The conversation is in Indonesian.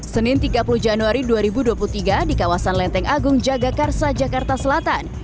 senin tiga puluh januari dua ribu dua puluh tiga di kawasan lenteng agung jagakarsa jakarta selatan